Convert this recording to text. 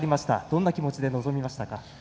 どんな気持ちで臨みましたか？